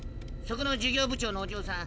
そこの事業部長のお嬢さん